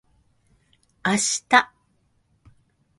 あした